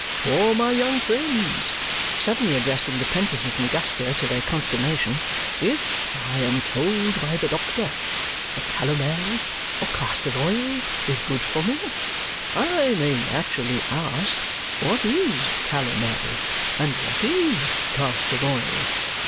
For, my young friends," suddenly addressing the 'prentices and Guster, to their consternation, "if I am told by the doctor that calomel or castor oil is good for me, I may naturally ask what is calomel, and what is castor oil.